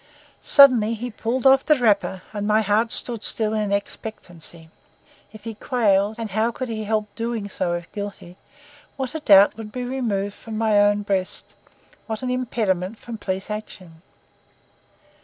Suddenly he pulled off the wrapper, and my heart stood still in expectancy. If he quailed—and how could he help doing so if guilty—what a doubt would be removed from my own breast, what an impediment from police action!